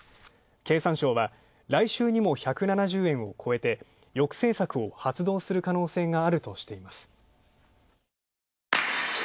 経産省は来週にも１７０円を超えて、抑制策を発動する可能性があるとしています。